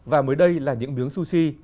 và mới đây là những miếng sushi